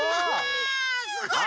すごい！